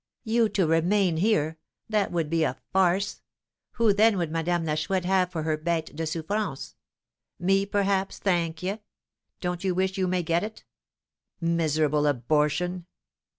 "You to remain here! that would be a farce! Who, then, would Madame la Chouette have for her bête de souffrance? Me, perhaps, thank ye! don't you wish you may get it?" "Miserable abortion!"